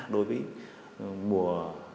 đối với mùa